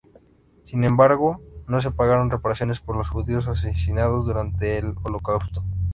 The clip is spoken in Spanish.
Sin embargo, no se pagaron reparaciones por los judíos asesinados durante el Holocausto.